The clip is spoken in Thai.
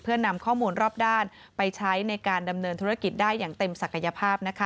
เพื่อนำข้อมูลรอบด้านไปใช้ในการดำเนินธุรกิจได้อย่างเต็มศักยภาพ